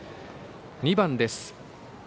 ２番です。